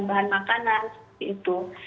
bahan makanan seperti itu